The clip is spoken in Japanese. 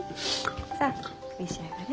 さあ召し上がれ。